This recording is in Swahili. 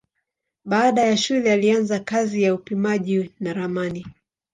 Baada ya shule alianza kazi ya upimaji na ramani.